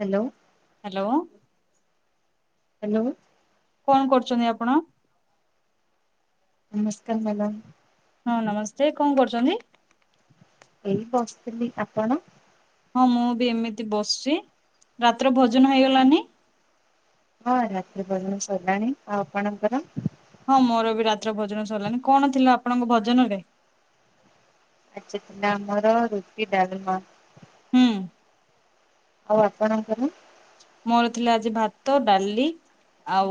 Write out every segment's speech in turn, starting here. Hello? Hello? Hello? କଣ କରୁଛନ୍ତି ଆପଣ? ନମସ୍କାର ମ୍ୟାଡ଼ାମ। ହଁ ନମସ୍ତେ, କଣ କରୁଛନ୍ତି? ଏଇ ବସଥିଲି। ଆପଣ? ହଁ ମୁଁ ବି ଏମିତି ବସିଛି। ରାତିର ଭୋଜନ ହେଇଗଲାନି? ହଁ ରାତି [unintelligible] ସିଲାଣି ଆଉ ଆପଣଙ୍କର? ହଁ ମୋର ବି ରାତି୍ର ଭୋଜନ ସରିଲାଣି। କଣ ଥିଲା ଆପଣଙ୍କ ଭୋଜନ ରେ? [unintelligible] ଥିଲା ଆମର ରୁଟି ଡାଲମା। ହୁଁ। ଆଉ ଆପଣଙ୍କର? ମୋର ଥିଲା ଆଜି ଭାତ, ଡାଲି ଆଉ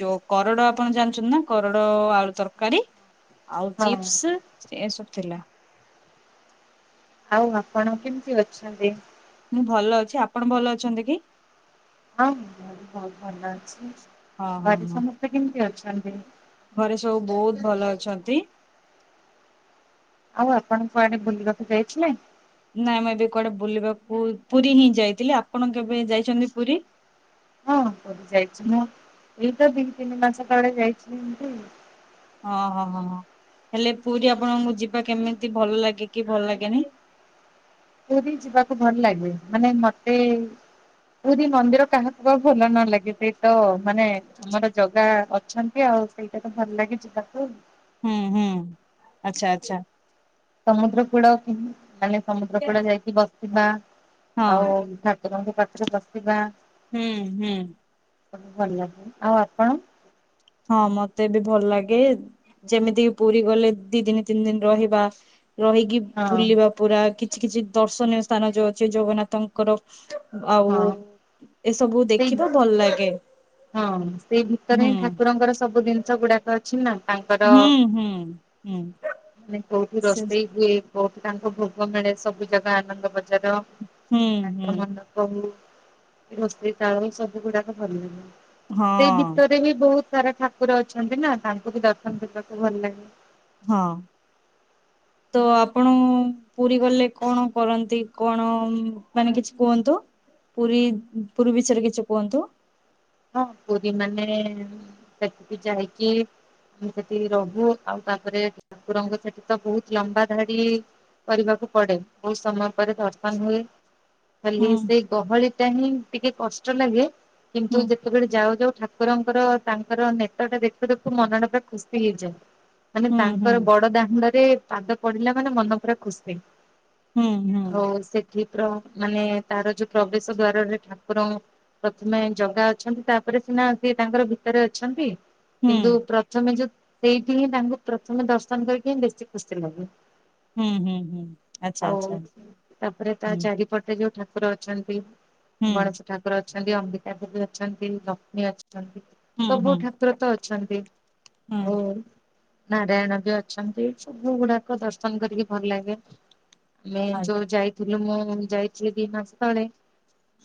ଚ କରଡ଼ ଆପଣ ଜାଣିଛନ୍ତି ନା କରଡ଼ ଆଳୁ ତରକାରୀ। ଆଉ ହଁ ଚିପ୍ସ ଏସବୁ ଥିଲା। ଆଉ ଆପଣ କେମିତି ଅଛନ୍ତି? ମୁଁ ଭଲ ଅଛି। ଆପଣ ଭଲ ଅଛନ୍ତି କି? ହଁ, ମୁଁ ବହୁତ୍ ଭଲ ଅଛି, ହଁ ହଁ ଘରେ ହଁ ସମସ୍ତେ କେମିତି ଅଛନ୍ତି। ଘରେ ସବୁ ବହୁତ୍ ଭଲ ଅଛନ୍ତି। ଆଉ ଆପଣ କୁଆଡେ ବୁଲିିବାକୁ ଯାଇଥିଲେ? ନାଇଁ ମୁଁ ଏବେ କୁଆଡେ ବୁଲିବାକୁ ପୁରୀ ହିଁ ଯାଇଥିଲି ଆପଣ କେବେ ଯାଇଛନ୍ତି ପୁରୀ? ହଁ, ତ ଯାଇଛି ମୁଁ ଏଇ ତ ଦି ତିନି ମାସ ତଳେ ଯାଇଛି ଏମତି [unintelligible] ହଁ, ହଁ, ହଁ ହେଲେ ପୁରୀ ଆପଣଙ୍କୁ ଯିବା କେମିତି ଭଲ ଲାଗେ କି ଭଲ ଲାଗେନି? ପୁରୀ ଯିବାକୁ ଭଲ ଲାଗେ ମାନେ ମତେ ପୁରୀ ମନ୍ଦିର କାହାକୁ ବା ଭଲ ନ ଲାଗେ ସେ ତ ମାନେ ଆମର ଜାଗା ଅଛନ୍ତି ଆଉ ସେଇଠାକୁ ଭଲ ଲାଗି ଯିବାକୁ। ହୁଁ, ହୁଁ ଆଚ୍ଛା ଆଚ୍ଛା ସମୁଦ୍ର କୂଳ ମାନେ କି ସମୁଦ୍ର କୂଳ ଯାଇକି ବସିବା ହଁ ଆଉ ଠାକୁରଙ୍କ ପାଖରେ ବସିବା ହୁଁ ହୁଁ ଭଲ ଆଉ ଆପଣ ହଁ, ମତେ ବି ଭଲ ଲାଗେ ଯେମିତିକି ପୁରୀ ଗଲେ ଦି ଦିନ ତିନି ଦିନ ରହିବା ରହିକି ହଁ ବୁଲିବା ପୁରା କିଛି କିଛି ଦର୍ଶନୀୟ ସ୍ଥାନ ଯୋଉ ଅଛି ଜଗନ୍ନାଥଙ୍କର ଆଉ ହଁ ଏସବୁ ସେଇ ଦେଖିବା ଭଲ ଲାଗେ। ହଁ, ସେଇ ଭିତରେ ହୁଁ ହିଁ ଠାକୁରଙ୍କର ସବୁ ଜିନିଷ ଗୁଡାକ ଅଛି ନା ତାଙ୍କର ହୁଁ, ହୁଁ, ହୁଁ। ମାନେ କୋଉଠି ସେ ରୋଷେଇ ହୁଏ, କୋଉଠି ତାଙ୍କ ଭୋଗ ମିଳେ ସବୁ ଜାଗା ଆନନ୍ଦ ବଜାର ହୁଁ ହୁଁ ନାଟ ମଣ୍ଡପ ହୁଏ, ରୋଷେଇ ତାଳ ସବୁ ଗୁଡାକ ଭଲ ଲାଗେ। ସେଇ ହଁ ଭିତରେ ବି ବହୁତ ସାରା ଠାକୁର ଅଛନ୍ତି ନା ତାଙ୍କୁ ବି ଦର୍ଶନ କରିବାକୁ ଭଲ ଲାଗେ। ହଁ, ତ ଆପଣ ପୁରୀ ଗଲେ କଣ କରନ୍ତି କଣ ମାନେ କିଛି କୁହନ୍ତୁ? ପୁରୀ ପୁରୀ ବିଷୟରେ କିଛି କୁହନ୍ତୁ। ହଁ, ପୁରୀ ମାନେ ସେଠିକି ଯାଇକି ମୁ ସେଠି ରହୁ ଆଉ ତାପରେ ଠାକୁରଙ୍କ ସେଠି ତ ବହୁତ୍ ଲମ୍ବା ଧାଡି କରିବାକୁ ପଡେ, ବହୁତ୍ ସମୟ ପରେ ଦର୍ଶନ ହୁଏ। ଖାଲି ହୁଁ ସେଇ ଗହଳି ଟାଇମ୍ ହିଁ ଟିକେ କଷ୍ଟ ଲାଗେ ହୁଁ କିନ୍ତୁ ଯେତେବେଳେ ଯାଉ ଯାଉ ଠାକୁରଙ୍କର ତାଙ୍କର ନେତଟା ଦେଖୁ ଦେଖୁ ମନଟା ପୁରା ଖୁସି ହେଇଯାଏ। ମାନେ ହୁଁ ହୁଁ ତାଙ୍କର ବଡ ଦାଣ୍ଡରେ ପାଦ ପଡିଲା ମାନେ ମନ ପୁରା ଖୁସି। ହୁଁ, ହୁଁ। ହଉ ସେଥିପ ମାନେ ତାର ଯୋଉ ପ୍ରବେଶ ଦ୍ଵାରରେ ଠାକୁର ପ୍ରଥମେ ଜଗା ଅଛନ୍ତି ତାପରେ ସିନା ସେ ତାଙ୍କର ଭିତରେ ଅଛନ୍ତି ହୁଁ କିନ୍ତୁ ପ୍ର ପ୍ରଥମେ ଯୋଉ ସେଇଠି ହିଁ ତାଙ୍କୁ ପ୍ରଥମେ ଦର୍ଶନ କରିକି ହିଁ ବେଶୀ ଖୁସି ଲାଗେ। ହୁଁ ହୁଁ ହୁଁ ଆଚ୍ଛା ଆଉ ଆଚ୍ଛା ତାପରେ ତା ହୁଁ ଚାରିପଟେ ଯୋଉ ଠା ଠାକୁର ଅଛନ୍ତି ହୁଁ ଗଣେଶ ଠାକୁର ଅଛନ୍ତି, ଅମ୍ବିିକା ଦେବୀ ଅଛନ୍ତି, ଲକ୍ଷ୍ମୀ ଅଛନ୍ତି ହୁଁ ହୁଁ ସବୁ ଠାକୁର ତ ଅଛନ୍ତି ହୁଁ ଓ ନାରାୟଣ ବି ଅଛନ୍ତି ସବୁ ଗୁଡାକ ଦର୍ଶନ କରିକି ଭଲ ଲାଗେ। ଆମେ ଆ ଯୋଉ ଯାଇଥିଲୁ ମୁଁ ଯାଇଥିଲି ଦି ମାସ ତଳେ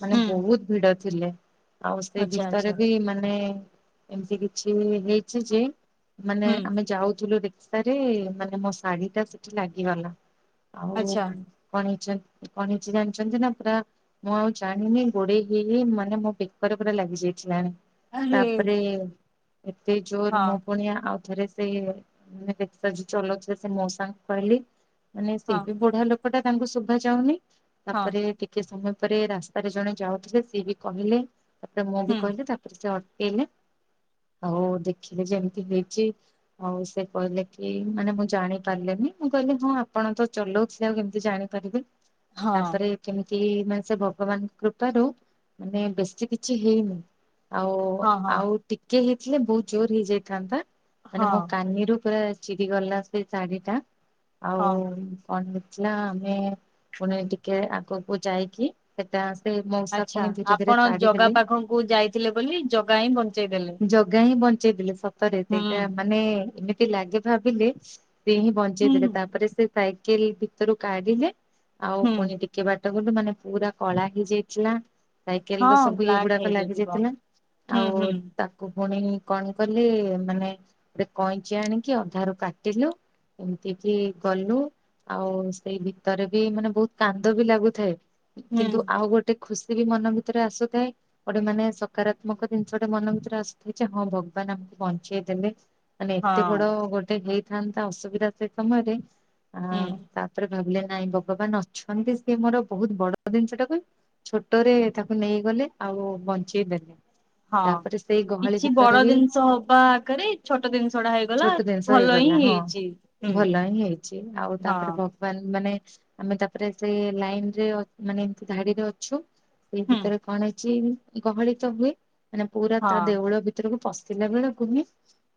ମାନେ ହୁଁ ବହୁତ୍ ଭିଡ ଥିଲେ। ଆଉ ସେ ଆଚ୍ଛା ଗୀତରେ ଆଚ୍ଛା ବି ମାନେ ଏମିତି କିଛି ହେଇଛି ଯେ ମାନେ ହୁଁ ଆମେ ଯାଉଥିଲୁ ରିକ୍ସାରେ ମାନେ ମୋ ଶାଢୀ ଟା ସେଠି ଲାଗିଗଲା ଆଉ ଆଚ୍ଛା କଣ ହେଇଚି କଣ ହେଇଚି ଜାଣିଛନ୍ତି ନା ପୁରା ମୁଁ ଆଉ ଜାଣିନି ଗୋଡେଇ ହେଇ ହେଇ ମାନେ ମୋ ବେ ପରେ-ପରେ ଲାଗି [unintelligible] ଆରେ ତାପରେ ଏତେ ଜୋର ହଁ ମୁଁ ପୁଣି ଆଉ ଥରେ ସେ ମାନେ [unintelligible] ଯିଏ ଚଲଉଥିଲେ ସେ ମଉସା ଙ୍କୁ କହିଲି ମାନେ ସେ ହଁ ବି ବଢିଆ ଲୋ [unintelligible] ତାଙ୍କୁ ଶୁଭା ଯାଉନି, ହଁ ତାପରେ ଟି କେ ସମୟ ପରେ ରାସ୍ତାରେ ଜଣେ ଯାଉଥିଲେ, ସିଏ ବି କହିଲେ ତାପରେ ମୁଁ ବି ହୁଁ କହିଲି ତାପରେ ସେ ଅଟକେଇଲେ ଆଉ ଦେଖିଲେ ଏମ୍ତି ହେଇଚି। ଆଉ ସେ କହିଲେ କି ମାନେ ମୁଁ ଜାଣି ପାରିଲିନି, ମୁଁ କହିଲି ହଁ ଆପଣ ତ ଚଲଉ ସେ ଆଉ କେମ୍ତି ଜାଣିପାରିବେ। ହଁ ତାପରେ କେମିତି ମାନେ ସେ ଭଗବାନଙ୍କ କୃପାରୁ ମାନେ ବେଶୀ କି ଛି ହେଇନି, ହଁ ହଁ ଆଉ-ଆଉ ଟିକେ ହେଇଥିଲେ ବହୁତ୍ ଜୋରେ ହେଇଯାଇଥାନ୍ତା। ମାନେ ହଁ ମୋ କାନିରୁ ପୁରା ଚିରିଗଲା ସେ ଶାଢୀଟା ଆଉ ହଁ କଣ ହେଇଥିଲା ଆମେ ପୁଣି ଟିକେ ଆଗକୁ ଯାଇକି ସେଟା ସେ ମଉସା ପୁଣି ଧୀରେ-ଧୀରେ କାଢି ଦେଲେ। [unintelligible] ଯାଇ ଥିଲେ ବୋଲି ଜଗା ହିଁ ବଞ୍ଚେଇଦେଲେ। ଜଗା ହିଁ ବଞ୍ଚେଇଦେଲେ, ସତରେ [unintelligible] ମାନେ [unintelligible] ଲାଗେ ଭାବିଲେ ସେ ହିଁ ବଞ୍ଚେଇ ଦେଲେ, ହୁଁ ତାପରେ ସେ ସାଇକେଲ୍ ଭିତରୁ କାଢିଲେ ଆଉ ହୁଁ ପୁଣି ଟି କେ ବାଟ ଗଲୁ ମାନେ ପୁରା କଳା ହେଇଯାଇଥିଲା ସାଇକେଲ୍ ର ହଁ ସବୁ ଇଏ ବ୍ଲାକ୍ ଗୁଡାକ ଲାଗି ହେଇଯାଇଥିବ ଯାଇଥିଲା, ହୁଁ ଆଉ ହୁଁ ତା ପୁଣି କଣ କଲି ମାନେ ଗୋଟେ କଇଁଚି ଆଣିକି ଅଧାରୁୁ କାଟିଲୁ [inaudible] ଆଉ ସେଇ ଭିତରେ ବି ମାନେ ବହୁତ୍ କାନ୍ଦ ବି ଲାଗୁଥାଏ। ହୁଁ କିନ୍ତୁ ଆଉ ଗୋଟେ ଖୁସି ବି ମନ ଭିତରେ ଆସୁଥାଏ। ଗୋଟେ ମାନେ ସକାରାତ୍ମକ ଜିନିଷଟେ ମନ ଭିତରେ ଆସିଥାଏ, ଯେ ହଁ ଭଗବାନ୍ ଆମକୁ ବଞ୍ଚେଇ ଦେଲେ। ମାନେ ଏତେ ବଡ ହଁ ଗୋଟେ ହେଇଥାନ୍ତା ଅସୁବିଧା ସେ ସମୟରେ ହୁଁ ଆଁ ତା ପରେ ଭାବିଲେ ନାଇଁ ଭଗବାନ୍ ଅଛନ୍ତି, ସିଏ ମୋର ବହୁତ୍ ବଡ ଜିନିଷଟା ଟାକୁ ଛୋଟରେ ତାକୁ ନେଇଗଲେ, ଆଉ ବଞ୍ଚେଇ ଦେଲେ। ହଁ ତାପରେ ସେଇ ଗହଳି କିଛି ଭିତରେ ବଡ ବି ଜିନିଷ ହବା ଆଗରେ ଛୋଟ ଜିନିଷ ଟା ହେଇଗଲା। ତ ଭଲ ହିଁ ହେଇଗଲା ହଁ ହେଇଛି ହୁଁ ଭଲ ହିଁ ହେଇଚି, ଆଉ ତାପରେ ହଁ ଭଗ ବାନ୍ ମାନେ ଆମେ ତାପରେ ସେ ଲାଇନ୍ ରେ ଅ ମାନେ ଏମ୍ତି ଧାଡିରେ ଅଛୁ ସେଇ ହୁଁ ଭିତରେ କଣ ହେଇଚି ଗହଳି ତ ହୁଏ, ମାନେ ପୁରା ହଁ ତା ଦେଉଳ ଭି ଭିତୁରକୁ ପଶିଲା ବେଳକୁ ହିଁ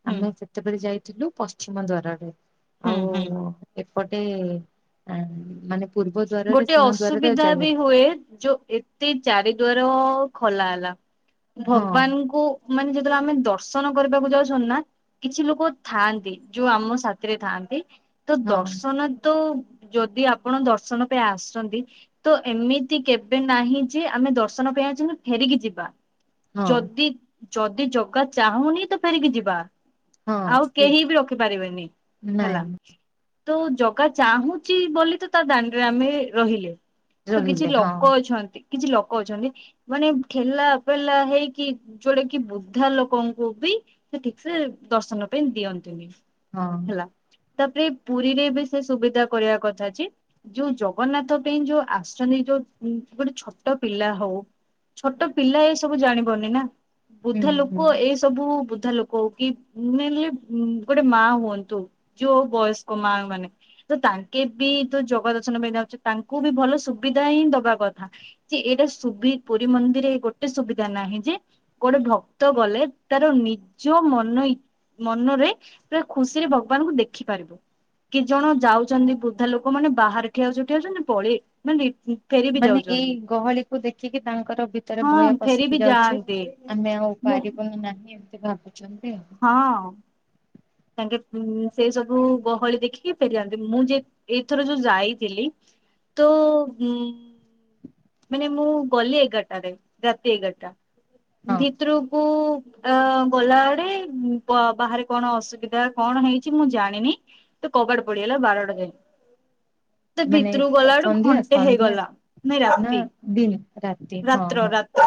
ହୁଁ ଆମେ ସେତେବେଳେ ଯାଇଥିଲୁ ପଶ୍ଚିମ ଦ୍ଵାରରେ। ହୁଁ ଆଉ ହୁଁ ଏପଟେ ଅଁ ମାନେ ପୂର୍ବ ଦ୍ଵାରରେ ଗୋଟେ ସିଂହ ଦ୍ଵାରରେ ଅସୁବିଧା ଯାଇ ବି ହୁଏ, ଯୋଉ ଏତେ ଚାରି ଦ୍ୱାର ଖୋଲା ହେଲା, ହଁ ଭଗବାନଙ୍କୁ ମାନେ ଯେତେବେଳେ ଆମେ ଦର୍ଶନ କରିବାକୁ ଯାଉଛନ୍ତି ନା କିଛି ଲୋକ ଥାଆନ୍ତି, ଯୋଉ ଆମ ସାଥିରେ ଥାଆନ୍ତି। ତ ହଁ ଦର୍ଶନ ତ ଯଦି ଆପଣ ଦର୍ଶନ ପାଇଁ ଆସଚନ୍ତି। ତ ଏମିତି କେବେ ନାହିଁ ଯେ ଆମେ ଦର୍ଶନ ପାଇଁ ଆସିଚୁ ଫେରିକି ଯିବା। ହଁ ଯଦି-ଯଦି ଜଗା ଚାହୁଁନି ତ ଫେରିକି ଯିବା। ହଁ ଆଉ ସେ କେହି ବି ରଖିପାରିବେନି ହେଲା। ନାଇଁ ତ ଜଗା ଚାହୁଁଚି ବୋଲି ତ, ତା ଦାଣ୍ଡରେ ଆମେ ରହିଲେ। ତ କିଛି ରହିଲେ ହଁ ଲୋକ ଅଛନ୍ତି କିଛି ଲୋକ ଅଛନ୍ତି। ମାନେ ଠେଲା ପେଲା ହେଇକି ଯୋଉଡା କି ବୃଦ୍ଧା ଲୋକଙ୍କୁ ବି [unintelligible] ଠିକ୍ସେ ଦର୍ଶନ ପାଇଁ ଦିଅନ୍ତିନି। ହଁ ହେଲା, ତାପରେ ପୁରୀରେ ବି ସେ ସୁବିଧା କରିବା କଥା ଅଛି। ଯୋଉ ଜଗନ୍ନାଥ ପେଇଁ, ଯୋଉ ଆସୁଛନ୍ତି ଯୋଉ ଗୋଟେ ଛୋଟ ପିଲା ହଉ। ଛୋଟ ପିଲା ଏ ସବୁ ଜାଣିବନି ନା ହୁଁ ବୁଦ୍ଧା ଲୋକ ହୁଁ ଏଇ ସବୁ ବୁଦ୍ଧା ଲୋକ। ବୋଉ କି ନହେଲେ ଗୋଟେ ମା ହୁଅନ୍ତୁ ଯୋଉ ବୟସ୍କ ମା ମାନେ। ତ ତାଙ୍କେ ବି ତ ଜଗ ଦର୍ଶନ ପାଇଁ ଯାଉଛନ୍ତି ତାଙ୍କୁ ବି ଭଲ ସୁବିଧା ହିଁ ଦବା କଥା। ଯେ ଏଇଟା ସୁବି ପୁରୀ ମନ୍ଦିର ଗୋଟେ ସୁବିଧା ନାହିଁ ଯେ। ଗୋଟେ ଭକ୍ତ ଗଲେ ତାର ନିଜ ମନ ଇ ମନରେ ପୁରା ଖୁସିରେ ଭଗବାନଙ୍କୁ ଦେଖି ପାରିବୁ କି ଜଣ ଯାଉଛନ୍ତି ବୃଦ୍ଧା ଲୋକ। ଲୋକମାନେ ବାହାରେ ଠିଆ ହେଉଛନ୍ତି, ଠିଆ ହେଉଛନ୍ତି ପଳେଇ ମାନେ। ଫେରି ବି ମାନେ ଏଇ ଯାଉଛନ୍ତି। ଗହଳି କୁ ଦେଖିକି ତାଙ୍କର ଭିତରେ ହଁ ଭୟ ଫେରି ପଶିକି ବି ଯାଉଛି। ଯାଆନ୍ତି ଆମେ ଆଉ ମୁଁ ପାରିବାବୁନୁ ନାହିଁ ଏମତି ଭାବୁଛନ୍ତି ଆଉ। ହଁ। ତାଙ୍କେ ଉ ସେଇ ସବୁ ଗହଳି ଦେଖିକି ଫେରିଯାନ୍ତି ମୁଁ ଯେ ଏଇଥର ଯୋଉ ଯାଇଥିଲି। ତ ହୁଁ। ହେ ମୁଁ ଗଲି ଏଗାରଟାରେ ରାତି ଏଗାରଟା ହଁ ଭିତରୁକୁ। ଅ ଗଲା ଆଡେ ବାହାରେ କଣ ଅସୁବିଧା। ଅସୁବିଧା କଣ ହେଇଛି ମୁଁ ଜାଣିନି ତ କବାଟ ପଡିଗଲା ବାରଟା ଯାଏଁ। ତ ମାନେ ଭିତରୁକୁ ଗଲା ଆଡୁ ସନ୍ଧ୍ୟା ଘଣ୍ଟେ ସନ୍ଧ୍ୟା ହେଇଗଲା ନାଇଁ ନା ରାତି ଦିନ ରାତି ହଁ ରାତ୍ର ହଁ। ରାତ୍ର।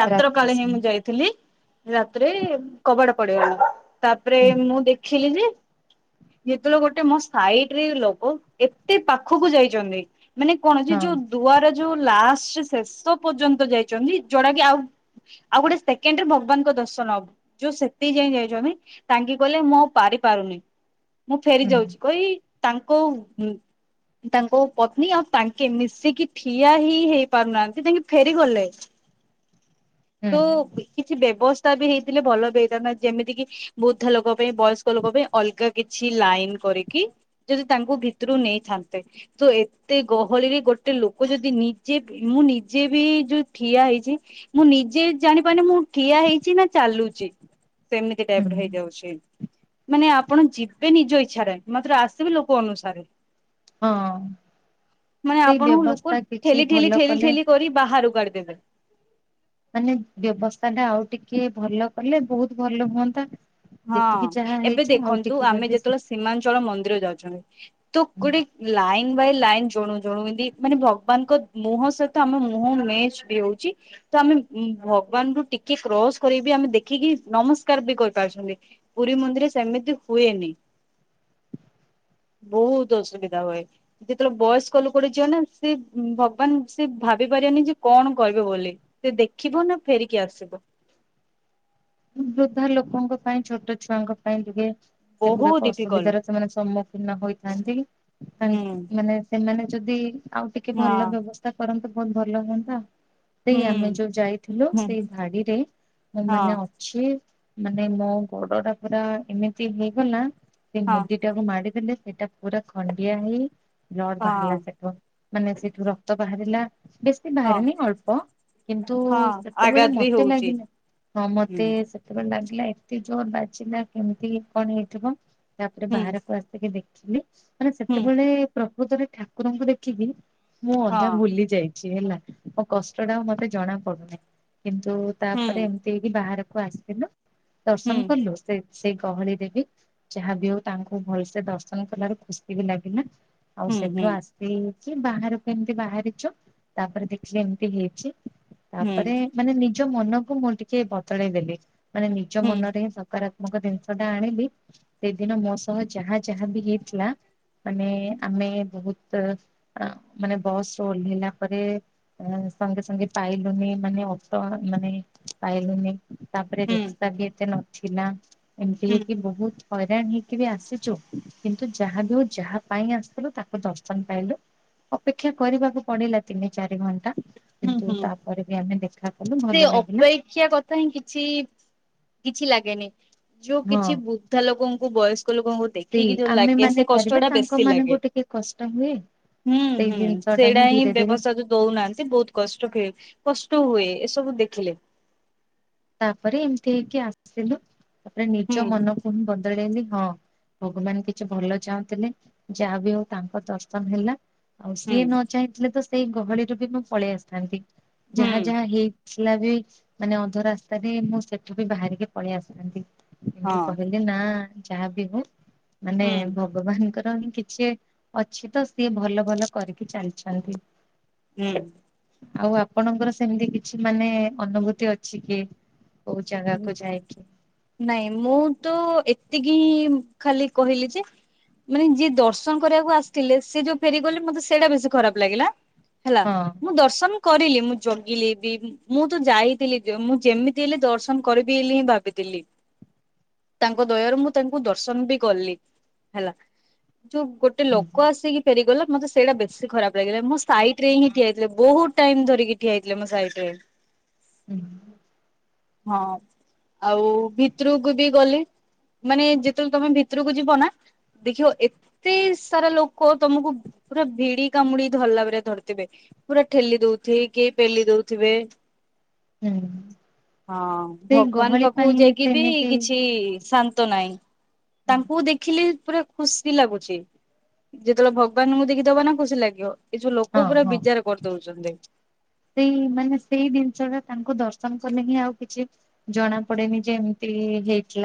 ରାତ୍ର କାଳେ ହିଁ ମୁଁ ଯାଇଥିଲି। ଥିଲି ରାତିରେ କବାଟ ପଡିଗଲା ତାପରେ ହୁଁ ମୁଁ ଦେଖିଲି ଯେ। ଯେତେବେଳେ ଗୋଟେ ମୋ ସାଇଟ୍ ରେ ଲୋକ ଏତେ ପାଖକୁ ଯାଇଛନ୍ତି। ମାନେ କଣ ଅଛି ହଁ ଯୋଉ ଦୁଆର ଯୋଉ ଲାଷ୍ଟ ଶେଷ ପର୍ଯ୍ୟନ୍ତ ଯାଇଛନ୍ତି ଯୋଉଡା କି ଆଉ। ଆଉ ଗୋଟେ ସେକେଣ୍ଡ୍ ରେ ଭଗବାନଙ୍କ ଦର୍ଶନ ହବ ଯୋଉ ସେତିକି ଯାଇ ଯାଇଛନ୍ତି ତାଙ୍କେ କହିଲେ ମୋ। ପାରି ପାରୁନି ମୁଁ ଫେରି ହୁଁ ଯାଉଛି କହି ତାଙ୍କ। ତାଙ୍କ ପତ୍ନୀ ଆଉ ତାଙ୍କେ ମିଶିକି ଠିଆ ହିଁ ହେଇ ପାରୁନାହାନ୍ତି ତାଙ୍କେ ଫେରିଗଲେ। [inaudible] ତ କିଛି ବ୍ୟବସ୍ଥା ବି ହେଇଥିଲେ ଭଲ ବି ହେଇଥାନ୍ତା ଯେମିତିକି ବୃଦ୍ଧ ଲୋକ ପାଇଁ ବୟସ୍କ ବୟସ୍କ ଲୋକ ପାଇଁ ଅଲଗା କିଛି ଲାଇନ୍ କରିକି ଯଦି ତାଙ୍କୁ ଭିତରୁ ନେଇଥାନ୍ତେ। ତ ଏତେ ଗହଳିରେ ଗୋଟେ ଲୋକ ଯଦି ନିଜେ ମୁଁ ନିଜେ ବି ଯୋଉ ଠିଆ ହେଇଛି। ମୁଁ ନିଜେ ଜାଣିପାରୁିନି ମୁଁ ଠିଆ ହେଇଛି ନା ଚାଲୁଛି ସେମିତି ହୁଁ ଟାଇପ୍ ର ହେଇଯାଉଛି। ମାନେ ଆପଣ ଯିବେ ନିଜ ଇଚ୍ଛାରେ ମାତ୍ର ଆସିବେ ଲୋକ ଅନୁସାରେ। ହଁ। ମାନେ ସେଇ ଆପଣଙ୍କୁ ଲୋକ ବ୍ୟବସ୍ଥା କିଛି ଠେଲି ଠେଲି ଭଲ ଠେଲି କଲେ ଠେଲି କରି ବାହାରକୁ କାଢିଦେବେ‌ ମାନେ ବ୍ୟବସ୍ଥା ଟା ଆଉ ଟିକେ ଭଲ କଲେ ବହୁତ ଭଲ ହୁଅନ୍ତା। ହଁ ଯେତିକି ଯାହା ଏବେ ହେଇଛି ଆଉ ଦେଖନ୍ତୁ ଟିକେ ଆମେ ଯଦି ଯେତେବେଳେ ସୀମାଞ୍ଚଳ ମନ୍ଦିର ଯାଉଛନ୍ତି ତ ଗୋଟେ। ଲାଇନ୍ ବାଇ ଲାଇନ୍ ଜଣଙ୍କୁ ଜଣଙ୍କୁ ଏମତି ମାନେ ଭଗବାନଙ୍କ ମୁହଁ ସହିତ ଆମ ମୁହଁ ମ୍ୟାଚ୍ ବି ହଉଛି। ତ ଆମେ ଭଗବାନ ରୁ ଟିକେ କ୍ରସ କରି ଆମେ ଦେଖିକି ନମସ୍କାର ବି କରୂ। ପାରୁଛନ୍ତି ପୁରୀ ମନ୍ଦିର ସେମିତି ହୁଏନି। [inaudible] ବହୁତ ଅସୁବିଧା ହୁଏ। ଯେତେବେଳେ ବୟସ୍କ ଲୋକଟେ ଯିବ ନା ସେ ଭଗବାନ୍ ଙ୍କୁ ସେ ଭାବି ପାରିବନି ଯେ କଣ କହିବେ ବୋଲି। ସେ ଦେଖିବ ନା ଫେରିକି ଆସିବ। ବୃଦ୍ଧ ଲୋକଙ୍କ ପାଇଁ ଛୋଟ ଛୁଆଙ୍କ ପାଇଁ ଟିକେ ବହୁତ ସେଗୁଡାକ ଡିଫିକଲ୍ଟ ଅସୁବିଧାର ସେମାନେ ସମ୍ମୁଖୀନ ହୋଇଥାନ୍ତି ହୁଁ ତାଙ୍କେ ମାନେ ସେମାନେ ଯଦି ଆଉ ଟିକେ ହଁ ଭଲ ବ୍ୟବସ୍ଥା କରନ୍ତେ ବହୁତ ଭଲ ହୁଅନ୍ତା। ସେଇ ହୁଁ ଆମେ ଯୋଉ ଯାଇଥିଲୁ ହୁଁ ସେଇ ଧାଡିରେ ମୁଁ ମାନେ ହଁ ଅଛି ମାନେ ମୋ ଗୋଡଟା ପୁରା ଏମିତି ହେଇଗଲା ସେ ହଁ ମୁଦି ଟାକୁ ମାଡିଦେଲେ ସେଇଟା ପୁରା ଖଣ୍ଡିଆ ହେଇ ବ୍ଲଡ ବାହାରିଲା ହଁ ସେଠୁ। ମାନେ ସେଇଠୁ ରକ୍ତ ବାହାରିଲା ବେଶୀ ଶି ହଁ ବାହାରିନି ଅଳ୍ପ କିନ୍ତୁ ହଁ ସେତେବେଳେ ଆଘାତ ବି ମତେ ହଉଛି ଲାଗିଲା ହଁ ମତେ। ହୁଁ ସେତେବେଳେ ଲାଗିଲା ଏତେ ଜୋର ବାଜିଲା କେମିତି କଣ ହେଇଥିବ ତାପରେ ହୁଁ ବାହାରକୁ ଆସି ଟିକେ ଦେଖିଲି ମାନେ ହୁଁ ସେତେବେଳେ ପ୍ରକୃତରେ ଠାକୁରଙ୍କୁ ଦେଖିକି ମୁଁ ଅଧା ହଁ ଭୁଲି ଯାଇଛି ହେଲା ମୋ କଷ୍ଟ ଟା ଆଉ ମତେ ଜଣା ପଡୁନାହିଁ। କିନ୍ତୁ ତାପରେ ହୁଁ ଏମତି ହେଇକି ବାହାରକୁ ଆସିଥିଲୁ ହୁଁ ଦର୍ଶନ କଲୁ। ସେ ସେଇ ଗହଳି ରେ ବି ଯାହା ବିି ହଉ ତାଙ୍କୁ ଭଲସେ ଦର୍ଶନ କଲାରୁ ଖୁସି ବି ଲାଗିଲା ଆଉ ହୁଁ ସେଠୁ ହୁଁ ଆସ ସିକି ବାହାରକୁ ଏମତି ବାହାରିଛୁ ତାପରେ ଦେଖିଲି ଏମିତି ହେଇଛି ହୁଁ ତାପରେ ମାନେ ନିଜ ମନକୁ ମୁଁ ଟିକେ ବଦଳେଇ ଦେଲି ମାନେ ନିଜ ହୁଁ ହୁଁ ମନରେ ହିଁ ସକାରାତ୍ମକ କ ଜିନିଷ ଟା ଆଣିଲି ସେଇଦିନ ମୋ ସହ ଯାହା ଯାହା ବି ହେଇଥିଲା ମାନେ ଆମେ ବହୁତ ମାନେ ବସ୍ ରୁ ଓହ୍ଲେଇଲା ପରେ ସଙ୍ଗେ ସଙ୍ଗେ ପାଇଲୁନି ମାନେ ଅଟ ମାନେ ପାଇଲୁନି। ତାପରେ ହୁଁ ରାସ୍ତା ବି ଏତେ ନଥିଲା ଏମିତି ହେଇକି ହୁଁ ବହୁତ ହଇରାଣ ହେଇକି ବି ଆସିଛୁ କିନ୍ତୁ ଯାହା ବି ହଉ ଯାହା ପାଇଁ ଆସିଥିଲୁ ତାକୁ ଦର୍ଶନ ପାଇଲୁ। ଅପେକ୍ଷା କରିବାକୁ ପଡିଲା ତିନି ଚାରି ଘଣ୍ଟା। କିନ୍ତୁ ହୁଁ ତାପରେ ବି ଆମେ ଦେଖା କଲୁ ଭଲ ଲାଗିଲା। କାହିଁ କିଛି କିଛି ଲାଗେନି। ଯୋଉ ହଁ କିଛି ବୃଦ୍ଧା ଲୋକଙ୍କୁ, ବୟସ୍କ ଲୋକଙ୍କୁ ଦେଖିକି ଯୋଉ ଲାଗେ ସେ କଷ୍ଟ ଟା ବେଶୀ ଟିକେ ଲାଗେ। ଟିକେ କଷ୍ଟ ହୁଏ। ହୁଁ ସେଇ ହୁଁ ଜିନିଷ ଟା ସେଇଟା ହିଁ ଧୀରେ ଧୀରେ ବ୍ୟବସ୍ଥା ଯ ଦଉନାହାନ୍ତି ବହୁତ କଷ୍ଟ କଷ୍ଟ ହୁଏ ଏସବୁ ଦେଖିଲେ। ତାପରେ ଏମିତି ହେଇକି ଆସିଲୁ ତାପରେ ହୁଁ ନିଜ ମନକୁ ହିଁ ବଦଳେଇଲି ହଁ। ଭଗବାନ କିଛି ଭଲ ଚାହୁଁଥିଲେ ଯାହା ବିି ହଉ ତାଙ୍କ ଦର୍ଶନ ହେଲା। ଆଉ ସିଏ ହୁଁ ନ ଚାହିଁଥିଲେ ତ ସେଇ ଗହଳିରୁ ବି ମୁଁ ପଳେଇ ଆସିଥାନ୍ତି ହୁଁ ଯାହା ଯାହା ହେଇ ଆସିଲା ବି ମାନେ ଅଧ ରାସ୍ତାରେ ମୁଁ ସେଠି ବି ବାହାରିକି ପଳେଇ ଆସିଥାନ୍ତି କିନ୍ତୁ କହିଲି ନା ଯାହା ବିି ହଉ ମାନେ ହୁଁ ଭଗ ଭଗବାନଙ୍କର ହିଁ କିଛି ଅଛି ତ ସିଏ ଭଲ ଭଲ କରିକି ଚାଲିଛନ୍ତି। ହୁଁ। ଆଉ ଆପଣଙ୍କର ସେମିତି କିଛି ମାନେ ଅନୁଭୂତି ଅଛି କି। କୋଉ ଜାଗାକୁ ଯାଇକି ନାଇଁ ମୁଁ ତ ଏତିକି ଖାଲି କହିଲି ଯେ ମାନେ ଯିଏ ଦର୍ଶନ କରିବାକୁ ଆସିଥିଲେ ସେ ଯୋଉ ଫେରିଗଲେ ମତେ ସେଇଟା ବେଶୀ ଖରାପ ଲାଗିଲା ହେଲା। ହଁ। ମୁଁ ଦର୍ଶନ କରିଲି ମୁଁ ଜଗିଲି ବି ମୁଁ ତ ଯାଇଥିଲି ମୁଁ ଯେମିତି ହେଲେ ଦର୍ଶନ କରିବି ବୋଲି ହିଁ ଭାବିଥିଲି। ତାଙ୍କ ଦୟାରୁ ମୁଁ ତାଙ୍କୁ ଦର୍ଶନ ବି କଲି ହେଲା, ଯୋଉ ଗୋଟେ ହୁଁ ଲୋକ ଆସିକି ଫେରିଗଲେ ମତେ ସେଇଟା ବେଶୀ ଖରାପ ଲାଗିଲା ମୋ ସାଇ ଟ୍ରେ ହିଁ ଠିଆଇଥିଲେ ବହୁତ ଟାଇମ ଧରିକି ଠିଆଇଥିଲେ ମୋ ସାଇଡ ରେ ହୁଁ। ହଁ, ଆଉ ଭିତରୁକୁ ବି ଗଲି ମାନେ ଯେତେବେଳେ ତମେ ଭିତରକୁ ଯିବ ନା ଦେଖିବ ଏ ଏତେ ସାରା ଲୋକ ତମକୁ ପୁରା ଭିଡି କାମୁଡି ଧରିଲା ପରା ଧରିଥିବେ। ପୁରା ଠେଲି ଦଉଥିବେ କି ପେଲି ଦଉଥିବେ। ହୁଁ। ହଁ ସେଇ ଭଗବାନ ଗହଳି ପାଖକୁ ପାଇଁ ଯାଇକି ବି ସେମିତି କିଛି ଶାନ୍ତ ନାହିଁ। ତାଙ୍କୁ ଦେଖିଲି, ପୁରା ଖୁସି ଲାଗୁଛି। ଯେତେବେଳେ ଭଗବାନଙ୍କୁ ଦେଖି ଦବା ନା ଖୁସି ଲାଗିବ। ଏଯଉ ହଁ ଲୋକ ପୁରା ହଁ ବିଜାର କରିଦଉଛନ୍ତି। ସେଇ ମାନେ ସେଇ ଦିନିଷଟା, ତାଙ୍କୁ ଦର୍ଶନ କଲେ ହିଁ ଆଉ କିଛି ଜଣା ପଡେନି ଯେ, ଏମିତି ହେଇଥିଲା।